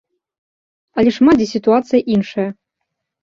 Але шмат дзе сітуацыя іншая.